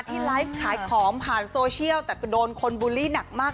ไลฟ์ขายของผ่านโซเชียลแต่ก็โดนคนบูลลี่หนักมาก